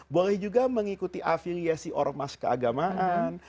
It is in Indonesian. boleh juga mengikuti afiliasi ormas keagamaan